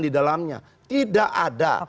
di dalamnya tidak ada